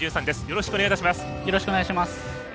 よろしくお願いします。